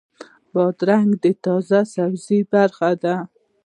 بادرنګ د تازه سبزیو برخه ده.